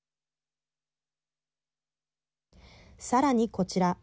さらに、こちら。